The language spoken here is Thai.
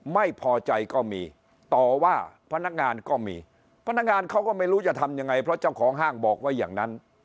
ไม่พอใจก็มีต่อว่าพนักงานก็มีพนักงานเขาก็ไม่รู้จะทำยังไงเพราะเจ้าของห้างบอกไว้อย่างนั้น